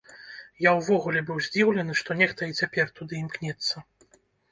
Я ўвогуле быў здзіўлены, што нехта і цяпер туды імкнецца.